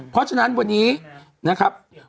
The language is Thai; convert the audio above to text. เพราะฉะนั้นวันนี้นะครับ